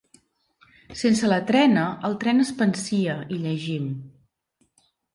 "Sense la trena, el tren es pansia", hi llegim.